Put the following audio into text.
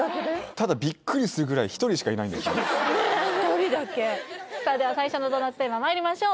ただねえ１人だけさあでは最初のドーナツテーマまいりましょう